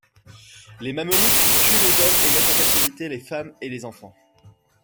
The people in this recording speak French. Les Mamelouks tuent les hommes et mettent en captivité les femmes et les enfants.